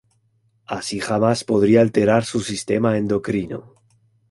Así jamás podría alterar su sistema endocrino.